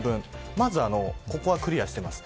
まず、ここはクリアしてます。